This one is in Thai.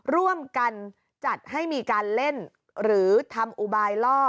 ร่วมกันจัดให้มีการเล่นหรือทำอุบายล่อ